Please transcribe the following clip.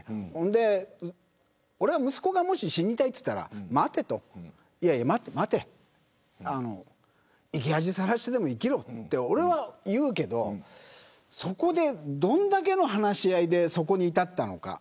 俺は息子がもし死にたいと言ったら待て、生き恥さらしてでも生きろって俺は言うけどどれだけの話し合いでそこに至ったのか。